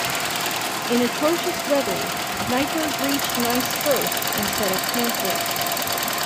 In atrocious weather, Neipperg reached Neisse first and set up camp there.